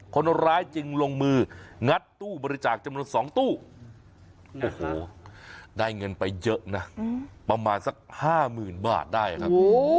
คนร้ายจึงลงมืองัดตู้บริจาคจำนวน๒ตู้โอ้โหได้เงินไปเยอะนะประมาณสัก๕๐๐๐บาทได้ครับ